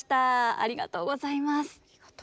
ありがとうございます。